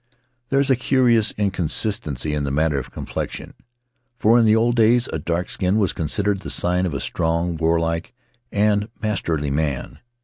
There is a curious inconsistency in the matter of complexion, for in the old days a dark skin was considered the sign of a strong, warlike, and mas terly man.